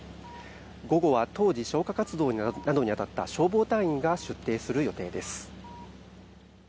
午後は当時、消火活動などに当たった消防隊員が出廷する予定です。